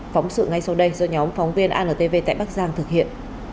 phóng sự ngay sau đây do nhóm phóng viên antv tại bắc giang thực hiện